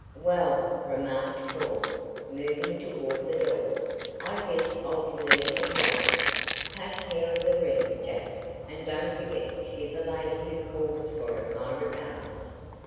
"Well," remarked Paul, moving toward the door, "I guess I'll be leaving again. Take care of the ring, Jack, and don't forget to give the lady who calls for it my regards.